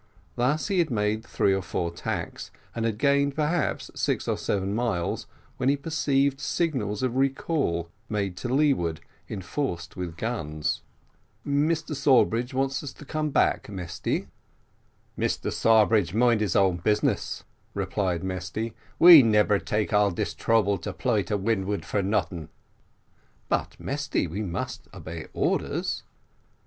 Thus had he made three or four tacks, and had gained, perhaps, six or seven miles, when he perceived signals of recall made to leeward, enforced with guns. "Mr Sawbridge wants us to come back, Mesty." "Mr Sawbridge mind him own business," replied Mesty, "we nebber take all dis trubble to ply to windward for noting." "But, Mesty, we must obey orders."